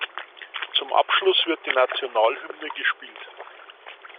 Zum Abschluss wird die Nationalhymne gespielt.